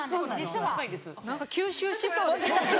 何か吸収しそうです。